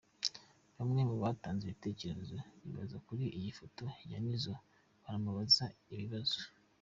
Bamwe mu batanze ibitekerezo bibaza kuri iyi foto ya Nizzo banamubaza ibibazo.